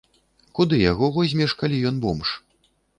Куды яго возьмеш, калі ён бомж?